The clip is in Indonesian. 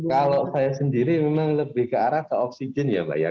kalau saya sendiri memang lebih ke arah ke oksigen ya mbak ya